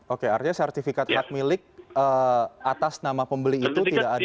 oke artinya sertifikat hak milik atas nama pembeli itu tidak ada